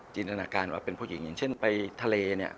จินตนาการว่าเป็นผู้หญิงอย่างเช่นไปทะเลเนี่ย